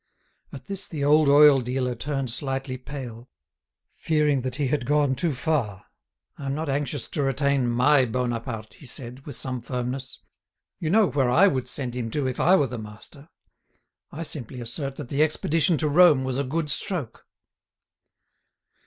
At this the old oil dealer turned slightly pale, fearing that he had gone too far. "I'm not anxious to retain 'my' Bonaparte," he said, with some firmness; "you know where I would send him to if I were the master. I simply assert that the expedition to Rome was a good stroke."